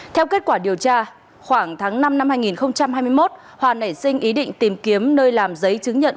theo kết quả điều tra khoảng tháng năm năm hai nghìn hai mươi một hòa nảy sinh ý định tìm kiếm nơi làm giấy chứng nhận